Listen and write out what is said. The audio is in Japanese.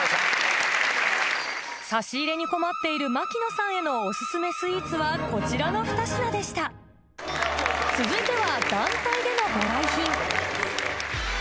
差し入れに困っている槙野さんへのオススメスイーツはこちらの２品でした続いては団体でのご来賓